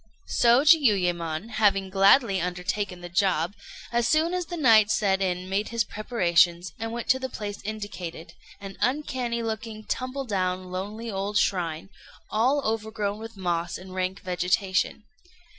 So Jiuyémon having gladly undertaken the job, as soon as the night set in made his preparations, and went to the place indicated an uncanny looking, tumble down, lonely old shrine, all overgrown with moss and rank vegetation.